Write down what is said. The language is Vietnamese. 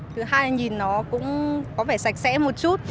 thứ hai là nhìn nó cũng có vẻ sạch sẽ một chút